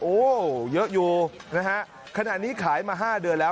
โอ้เยอะอยู่นะฮะขณะนี้ขายมา๕เดือนแล้ว